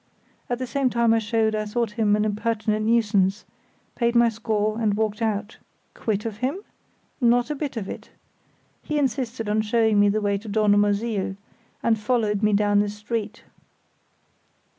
At the same time I showed I thought him an impertinent nuisance, paid my score and walked out—quit of him? Not a bit of it! He insisted on showing me the way to Dornumersiel, and followed me down the street.